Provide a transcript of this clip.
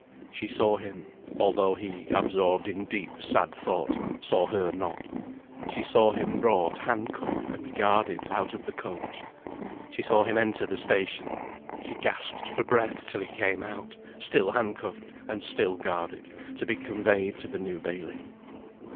She saw him (although he, absorbed in deep sad thought, saw her not), she saw him brought hand cuffed and guarded out of the coach. She saw him enter the station, she gasped for breath till he came out, still hand cuffed, and still guarded, to be conveyed to the New Bailey.